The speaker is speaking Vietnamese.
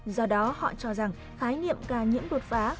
do đó họ cho rằng thái niệm ca nhiễm đột phản